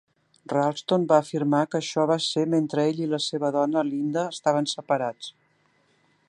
Ralston va afirmar que això va ser mentre ell i la seva dona Linda estaven separats.